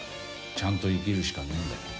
ちゃんと生きるしかねえんだよ。